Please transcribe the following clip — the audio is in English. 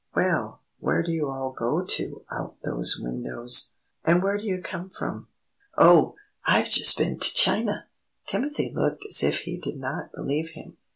"Well, where do you all go to out those windows? And where do you come from?" "Oh, I've just been to China!" Timothy looked as if he did not believe him.